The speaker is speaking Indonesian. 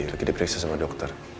lagi diperiksa sama dokter